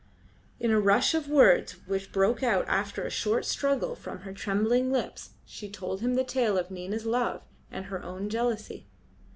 In a rush of words which broke out after a short struggle from her trembling lips she told him the tale of Nina's love and her own jealousy.